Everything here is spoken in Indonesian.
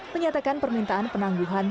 menyatakan permintaan penangguhan